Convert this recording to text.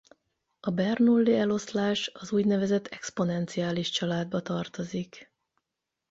A Bernoulli-eloszlás az úgynevezett exponenciális családba tartozik.